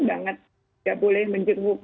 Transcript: banget tidak boleh menjenguk